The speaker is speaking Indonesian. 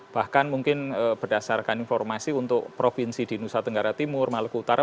bahkan mungkin berdasarkan informasi untuk provinsi di nusa tenggara timur maluku utara